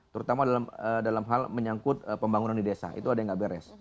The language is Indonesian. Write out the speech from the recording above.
terutama dalam hal menyangkut pembangunan di desa itu ada yang nggak beres